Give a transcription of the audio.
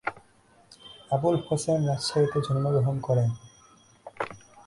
আবুল হোসেন রাজশাহীতে জন্মগ্রহণ করেন।